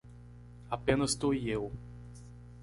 Apenas tu e eu.